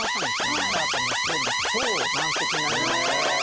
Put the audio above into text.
そうしたら、超満席になりまして。